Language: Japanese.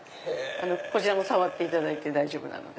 こちらも触っていただいて大丈夫なので。